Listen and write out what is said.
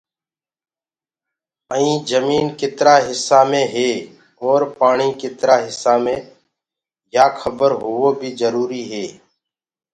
ائينٚ جمينٚ ڪِترآ هسآ مي هي اورَ پآڻيٚ ڪِترآ هِسآ مي يآ کبر هووو بيٚ جروريٚ